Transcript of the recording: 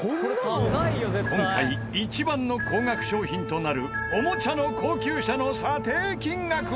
今回一番の高額商品となるおもちゃの高級車の査定金額は。